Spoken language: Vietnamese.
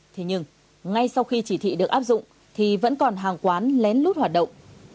thế nhưng ngay sau khi chỉ thị được áp dụng thì vẫn còn hàng quán lén lút hoạt động